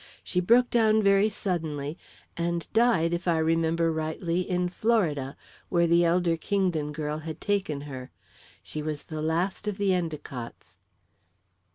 She broke down very suddenly, and died, if I remember rightly, in Florida, where the elder Kingdon girl had taken her. She was the last of the Endicotts."